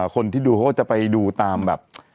คนที่ดูเขาก็จะไปดูตามแบบ